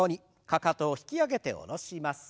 かかとを引き上げて下ろします。